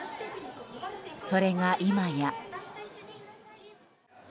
それが今や。